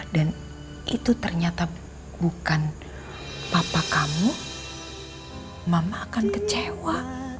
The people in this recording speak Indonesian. dan itu ternyata bukan papa kamu mama akan kecewa